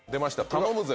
「頼むぜ‼